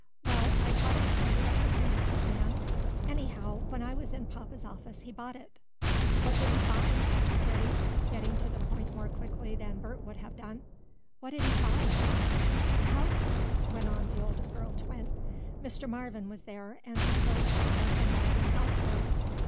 "Well, I thought I'd tell you everything," said Nan. "Anyhow, when I was in papa's office he bought it." "What did he buy?" asked Freddie, getting to the point more quickly than Bert would have done. "What'd he buy, Nan?" "A houseboat," went on the older girl twin. "Mr. Marvin was there, and he sold papa the Marvin houseboat.